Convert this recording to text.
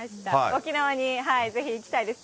沖縄にぜひ行きたいです。